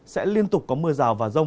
sẽ liên tục có mưa rào và rông